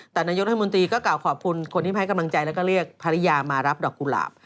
แต่นายกรัฐมนตรีก็กล่าวขอบคุณคนที่ให้กำลังใจแล้วก็เรียกภรรยามารับดอกกุหลาบ